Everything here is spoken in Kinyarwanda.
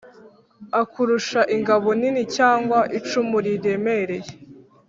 akurusha ingabo nini cyangwa icumu riremereye;